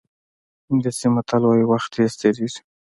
انګلیسي متل وایي وخت تېز تېرېږي.